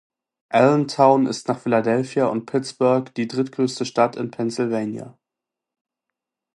Allentown ist nach Philadelphia und Pittsburgh die drittgrößte Stadt in Pennsylvania.